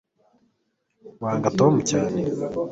wanga tom cyane